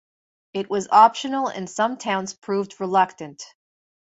It was optional and some towns proved reluctant.